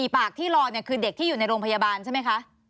ปากที่รอคือเด็กที่อยู่ในโรงพยาบาลใช่ไหมคะ